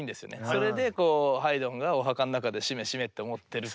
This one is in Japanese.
それでこうハイドンがお墓の中でしめしめと思ってるという。